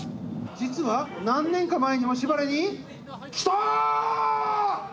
実は何年か前にも「しばれ」に。来た！